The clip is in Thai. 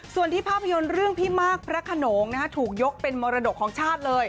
ส่วนที่ภาพยนตร์เรื่องพี่มากพระขนงถูกยกเป็นมรดกของชาติเลย